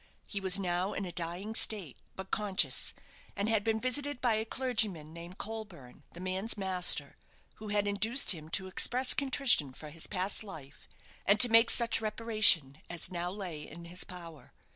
He was now in a dying state, but conscious; and had been visited by a clergyman named Colburne, the man's master, who had induced him to express contrition for his past life, and to make such reparation as now lay in his power.